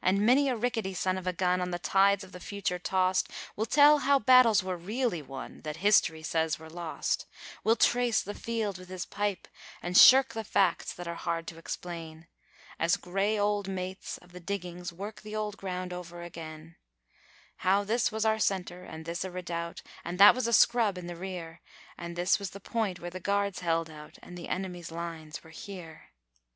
And many a rickety son of a gun, on the tides of the future tossed, Will tell how battles were really won that History says were lost, Will trace the field with his pipe, and shirk the facts that are hard to explain, As grey old mates of the diggings work the old ground over again How 'this was our centre, and this a redoubt, and that was a scrub in the rear, And this was the point where the guards held out, and the enemy's lines were here.'